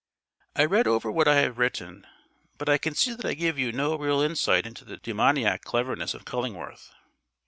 I read over what I have written, but I can see that I give you no real insight into the demoniac cleverness of Cullingworth.